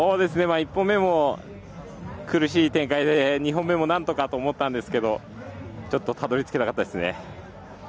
１本目も苦しい展開で２本目もなんとかと思ったんですけど、ちょっとたどり着けなかったですね。